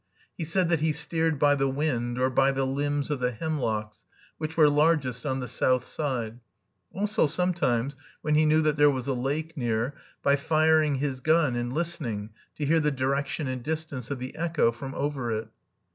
He said that he steered by the wind, or by the limbs of the hemlocks, which were largest on the south side; also sometimes, when he knew that there was a lake near, by firing his gun and listening to hear the direction and distance of the echo from over it.